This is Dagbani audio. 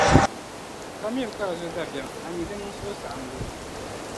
ka miri ka a zo dabiεm, ami di niŋ suhusaɣiŋgu.